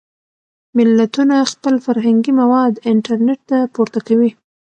ملتونه خپل فرهنګي مواد انټرنټ ته پورته کوي.